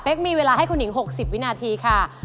เป็นเวลาให้คุณหญิง๖๐วินาทีค่ะ